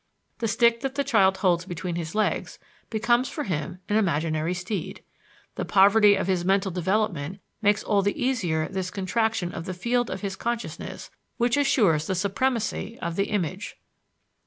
The stick that the child holds between his legs becomes for him an imaginary steed. The poverty of his mental development makes all the easier this contraction of the field of his consciousness, which assures the supremacy of the image.